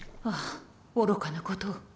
ああ愚かなことを。